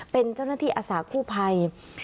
เป็นเจ้าหน้าที่อาสากู้ภัย